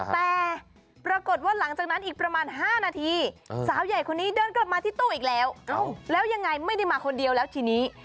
แต่ปรากฏว่าหลังจากนั้นอีกประมาณ๕นาทีสาวใหญ่คนนี้เดินกลับมาที่ตู้อีกแล้วแล้วยังไงไม่ได้มาคนเดียวแล้วทีนี้